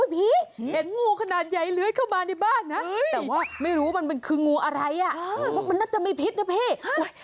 เห็นงูขนาดใหญ่เลื้อยเข้ามาในบ้านนะแต่ว่าไม่รู้มันคืองูอะไรอ่ะมันน่าจะมีพิษนะพี่